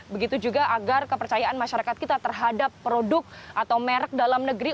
begitu juga agar kepercayaan masyarakat kita terhadap produk atau merek dalam negeri